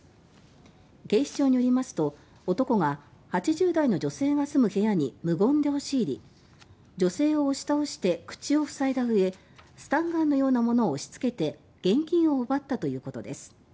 警視庁によりますと男が８０代の女性が住む部屋に無言で押し入り女性を押し倒して口を塞いだうえスタンガンのようなものを押しつけて現金を奪ったということです。